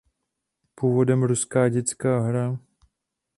Původem ruská dětská hra.